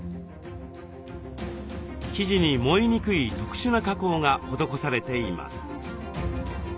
生地に燃えにくい特殊な加工が施されています。